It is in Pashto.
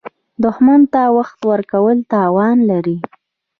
دښمن ته وخت ورکول تاوان لري